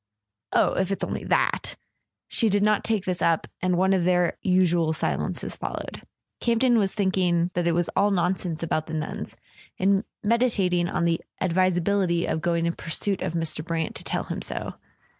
. "Oh, if it's only that " She did not take this up, and one of their usual silences followed. Campton was thinking that it was [ 299 ] A SON AT THE FRONT all nonsense about the nuns, and meditating on the advisability of going in pursuit of Mr. Brant to tell him so.